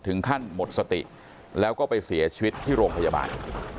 ถึงขั้นหมดสติแล้วก็ไปเสียชีวิตที่โรงพยาบาล